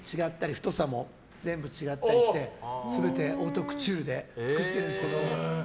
太さも全部違ったりして全てオートクチュールで作ってるんですけど。